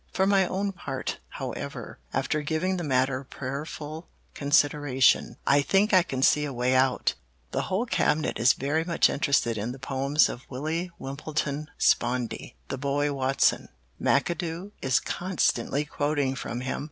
"For my own part, however, after giving the matter prayerful consideration, I think I can see a way out. The whole Cabinet is very much interested in the poems of Willie Wimpleton Spondy, the boy Watson. McAdoo is constantly quoting from him.